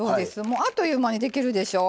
もうあっという間にできるでしょ。